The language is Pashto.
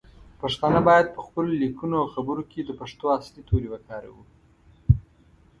پښتانه باید پخپلو لیکنو او خبرو کې د پښتو اصلی تورې وکاروو.